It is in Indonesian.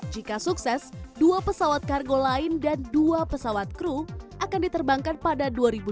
jika sukses dua pesawat kargo lain dan dua pesawat kru akan diterbangkan pada dua ribu dua puluh